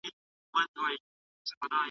د موضوع تحلیل د څېړونکي د وړتیا نښه ده.